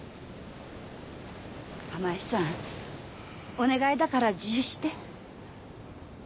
玉枝さんお願いだから自首して！